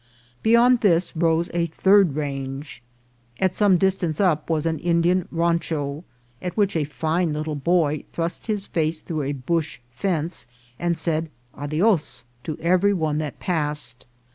Beyond this rose a third range. At some distance up was an Indian rancho, at which a fine little boy thrust his face through a bush fence, and said " adios" to every one that passed.